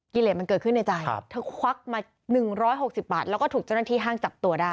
เลสมันเกิดขึ้นในใจเธอควักมา๑๖๐บาทแล้วก็ถูกเจ้าหน้าที่ห้างจับตัวได้